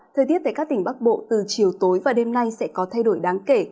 thời tiết tại các tỉnh bắc bộ từ chiều tối và đêm nay sẽ có thay đổi đáng kể